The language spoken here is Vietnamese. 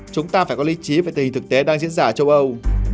chúng ta phải có lý trí về tình thực tế đang diễn ra ở châu âu